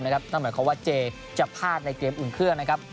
นั่นหมายความว่าเจจะพลาดในเกมอุ่นเครื่องนะครับ